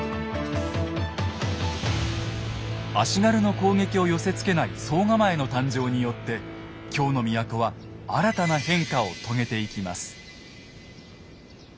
足軽の攻撃を寄せつけない惣構の誕生によって京の都は新たな変化を遂げていきます。